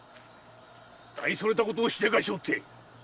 大それたことをしでかしおって！